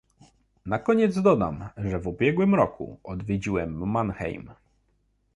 Na koniec dodam, że w ubiegłym roku odwiedziłem Mannheim